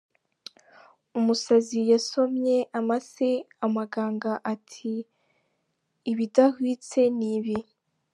Umusazi yasomeye amase amaganga ati ibidahwitse n’ibi!